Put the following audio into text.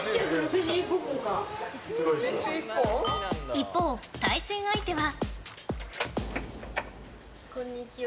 一方、対戦相手は。